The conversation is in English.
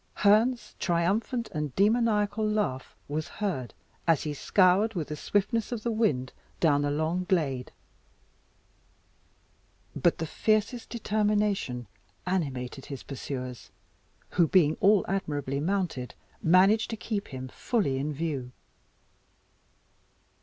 Herne's triumphant and demoniacal laugh was heard as he scoured with the swiftness of the wind down the long glade. But the fiercest determination animated his pursuers, who, being all admirably mounted, managed to keep him fully in view. Away!